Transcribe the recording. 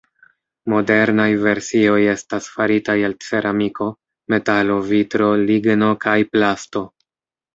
Modernaj versioj estas faritaj el ceramiko, metalo, vitro, ligno kaj plasto.